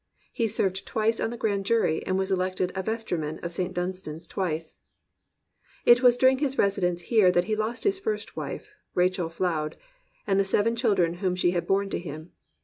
He served twice on the grand jury, and was elected a vestryman of St. Dunstan*s twice. It was during his residence here that he lost his first wife, Rachel Floud, and the seven children whom she had borne to him.